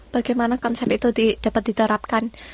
bagaimana konsep itu dapat diterapkan